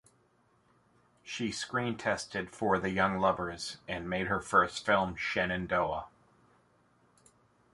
She screen tested for "The Young Lovers" and made her first film, "Shenandoah".